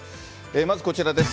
まずこちらです。